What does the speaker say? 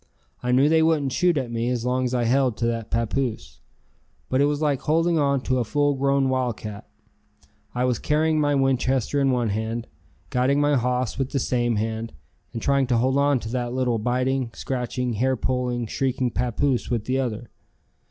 I knew they wouldn't shoot at me as long as I held to that papoose. But it was like holding on to a full grown wildcat. I was carrying my Winchester in one hand, guiding my hoss with the same hand and trying to hold on to that little biting, scratching, hair pulling, shrieking papoose with the other.